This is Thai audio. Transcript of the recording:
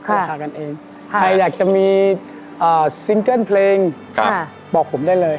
ใครอยากจะมีซิงเกิ้ลเพลงบอกผมได้เลย